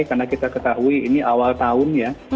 karena kita ketahui ini awal tahun ya